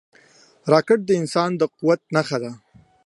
راکټ د انسان د قوت نښه ده